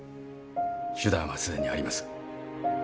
手段はすでにあります。